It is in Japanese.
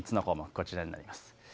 こちらになります。